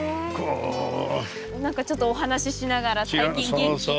何かちょっとお話ししながら最近元気とか。